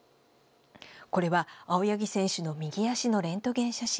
これは、青柳選手の右足のレントゲン写真。